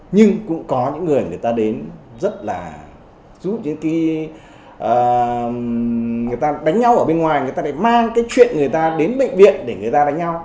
nhưng cũng có những người người ta đến rất là giúp những cái người ta đánh nhau ở bên ngoài người ta lại mang cái chuyện người ta đến bệnh viện để người ta đánh nhau